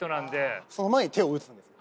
その前に手を打つんですね？